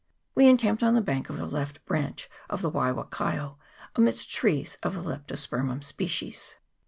We encamped on the bank of the left branch of he Waiwakaio amidst trees of the Leptospermum species.